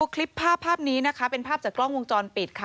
คลิปภาพภาพนี้นะคะเป็นภาพจากกล้องวงจรปิดค่ะ